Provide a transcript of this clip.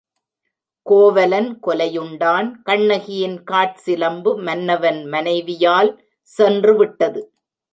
கோவலன் கொலையுண்டான் கண்ணகியின் காற்சிலம்பு மன்னவன் மனைவியால் சென்று விட்டது.